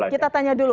kita tanya dulu